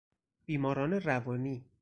بیماران روانی